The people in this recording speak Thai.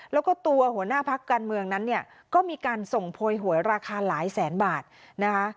แล้วก็ตัวหัวหน้าพักการเมืองนั้นเนี่ยก็มีการส่งโพยหวยราคาหลายแสนบาทนะคะ